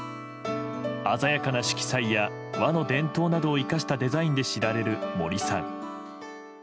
鮮やかな色彩や和の伝統などを生かしたデザインで知られる森さん。